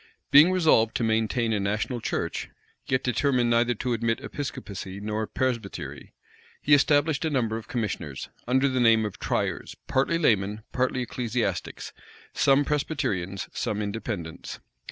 Being resolved to maintain a national church, yet determined neither to admit Episcopacy nor Presbytery, he established a number of commissioners, under the name of tryers, partly laymen, partly ecclesiastics, some Presbyterians, some Independents.